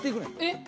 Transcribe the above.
えっ。